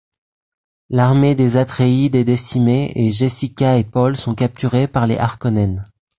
L'armée des Atréides est décimée et Jessica et Paul sont capturés par les Harkonnen.